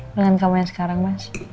dengan kamu yang sekarang mas